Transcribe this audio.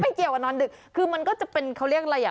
เกี่ยวกับนอนดึกคือมันก็จะเป็นเขาเรียกอะไรอ่ะ